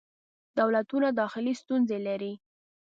دولتونه داخلې ستونزې لري.